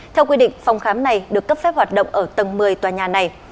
theo quy định phòng khám này được cấp phép hoạt động ở tầng một mươi tòa nhà này